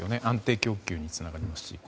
安定供給につながりますし。